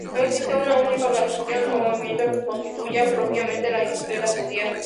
No existe una única organización o movimiento que constituya propiamente la izquierda judía.